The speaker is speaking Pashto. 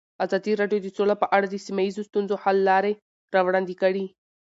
ازادي راډیو د سوله په اړه د سیمه ییزو ستونزو حل لارې راوړاندې کړې.